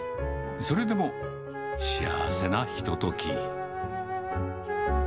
それでも幸せなひと時。